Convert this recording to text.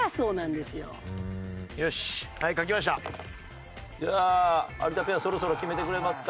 では有田ペアそろそろ決めてくれますか？